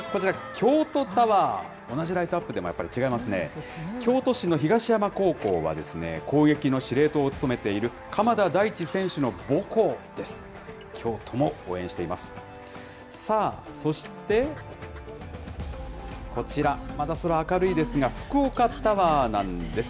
京都市の東山高校は、攻撃の司令塔を務めている鎌田大地選手の母校です。